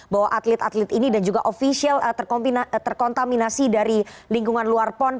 bahwa atlet atlet ini dan juga ofisial terkontaminasi dari lingkungan luar pon